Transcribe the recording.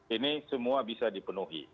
ini semua bisa dipenuhi